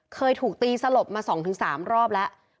เคยถูกตีสลบมาสองถึงสามรอบแล้ว